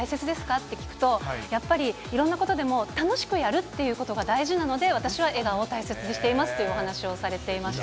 って聞くと、やっぱりいろんなことでも、楽しくやるっていうことが大事なので、私は笑顔を大切にしていますというお話をされていました。